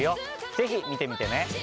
ぜひ見てみてね。